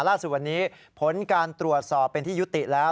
ล่าสุดวันนี้ผลการตรวจสอบเป็นที่ยุติแล้ว